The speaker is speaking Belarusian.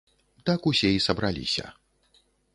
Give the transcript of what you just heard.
Так усе і сабраліся.